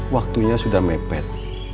waktunya sudah mepet